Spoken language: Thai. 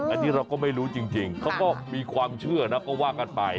อันนี้เราก็ไม่รู้จริงเขาก็มีความเชื่อนะก็ว่ากันไป